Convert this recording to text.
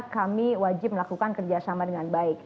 kami wajib melakukan kerjasama dengan baik